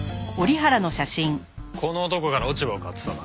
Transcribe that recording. この男から落ち葉を買ってたな？